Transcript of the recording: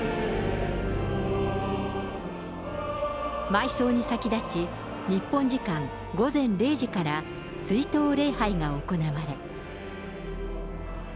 埋葬に先立ち、日本時間午前０時から追悼礼拝が行われ。